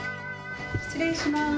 失礼します。